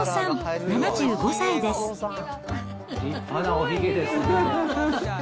立派なおひげですね。